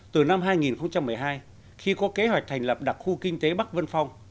từ năm hai nghìn một mươi hai khi có kế hoạch thành lập đặc khu kinh tế bắc vân phong